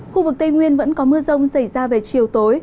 khu vực tây nguyên vẫn có mưa rông xảy ra về chiều tối